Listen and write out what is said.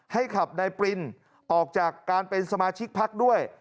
ให้ขับในปรินออกจากการเป็นสมาชิกภักด์ด้วย